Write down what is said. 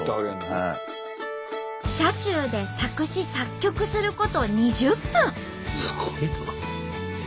車中で作詞作曲すること２０分。